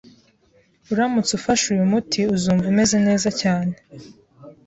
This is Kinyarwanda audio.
Uramutse ufashe uyu muti, uzumva umeze neza cyane. .